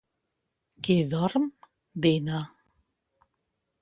Qui dorm dina.